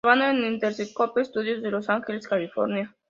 Grabado en "Interscope" estudios de Los Ángeles, California.